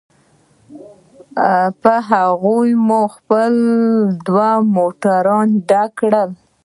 په هغوی مو خپل دوه موټرونه ډک کړل.